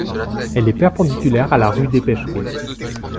Elle est perpendiculaire à la rue des Pêcheries.